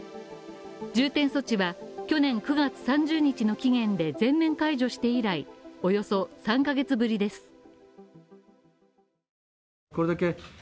重点措置は、去年９月３０日の期限で全面解除して以来、およそ３ヶ月ぶりです。